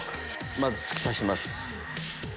まず突き刺します。